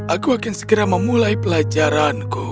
aku akan segera memulai pelajaranku